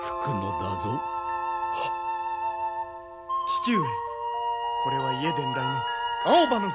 父上これは家伝来の青葉の笛！